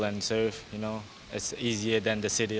dan berlatih itu lebih mudah daripada kehidupan di kota